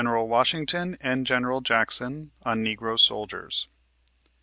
l$< WASHINGTON AND JACKSON ON NEGRO SOLDIERS.